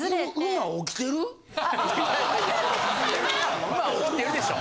馬起きてるでしょ。